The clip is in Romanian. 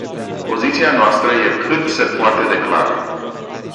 Poziția noastră este cât se poate de clară.